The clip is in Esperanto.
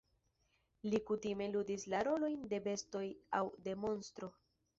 Li kutime ludis la rolojn de bestoj aŭ de monstro.